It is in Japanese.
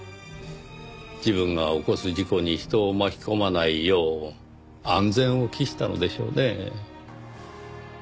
自分が起こす事故に人を巻き込まないよう安全を期したのでしょうねぇ。